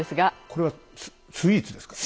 これはスイーツですか？